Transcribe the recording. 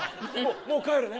もう帰るね。